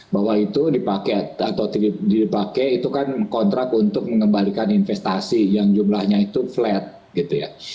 bahwa itu dipakai atau dipakai itu kan kontrak untuk mengembalikan investasi yang jumlahnya itu flat gitu ya